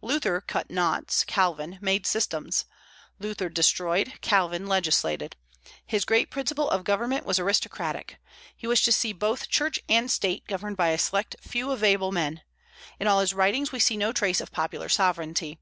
Luther cut knots; Calvin made systems. Luther destroyed; Calvin legislated. His great principle of government was aristocratic. He wished to see both Church and State governed by a select few of able men. In all his writings we see no trace of popular sovereignty.